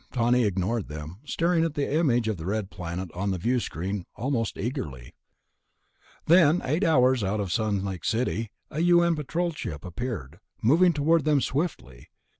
Tawney ignored them, staring at the image of the red planet on the viewscreen almost eagerly. Then, eight hours out of Sun Lake City a U.N. Patrol ship appeared, moving toward them swiftly.